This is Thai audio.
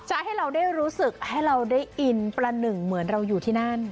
ให้เราได้รู้สึกให้เราได้อินประหนึ่งเหมือนเราอยู่ที่นั่น